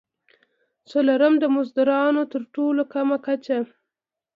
څلورم: د مزدونو تر ټولو کمه کچه.